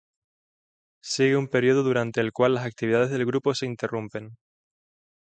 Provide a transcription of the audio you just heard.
Sigue un periodo durante el cual las actividades del grupo se interrumpen.